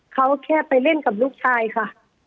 เขาแค่ไปเล่นกับลูกชายค่ะ